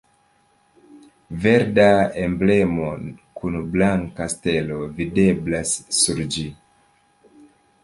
Verda emblemo kun blanka stelo videblas sur ĝi.